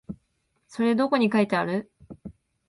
それどこに書いてある？